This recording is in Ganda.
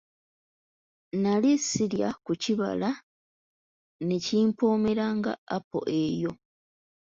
Nnali sirya ku kibala ne kimpoomera nga apo eyo.